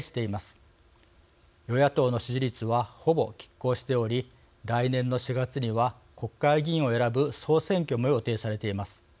与野党の支持率はほぼきっ抗しており来年の４月には国会議員を選ぶ総選挙も予定されています。